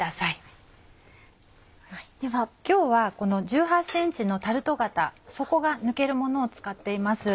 今日はこの１８ｃｍのタルト型底が抜けるものを使っています。